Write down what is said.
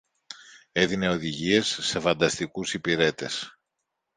έδινε οδηγίες σε φανταστικούς υπηρέτες